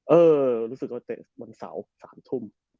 เออรู้สึกว่าเตะวันเสาร์๓ทุ่ม